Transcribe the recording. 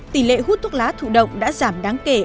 tỷ lệ hút thuốc lá thụ động đã giảm đáng kể